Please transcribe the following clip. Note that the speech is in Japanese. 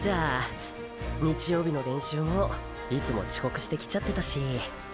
日曜日の練習もいつも遅刻してきちゃってたしーー。